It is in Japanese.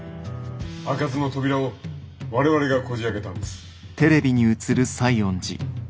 開かずの扉を我々がこじあけたんです」。